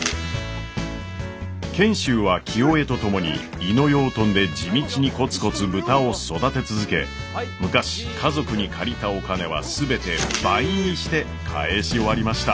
賢秀は清恵と共に猪野養豚で地道にコツコツ豚を育て続け昔家族に借りたお金は全て倍にして返し終わりました。